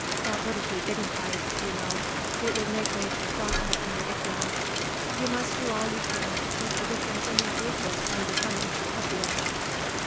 That wouldn't be dignified, you know; it would make Major Throckmorton ridiculous. You must do all you can to keep the difference in your ages from becoming too obvious."